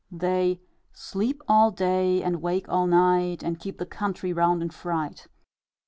They "Sleep all day, and wake all night, And keep the country round in fright."